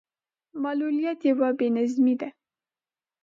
معلوليت يو بې نظمي ده.